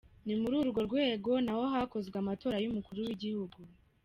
Ni muri urwo rwego naho hakozwe amatora y’umukuru w’igihugu.